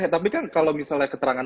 tapi kan kalau misalnya keterangan